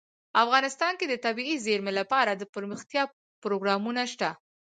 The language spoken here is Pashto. افغانستان کې د طبیعي زیرمې لپاره دپرمختیا پروګرامونه شته.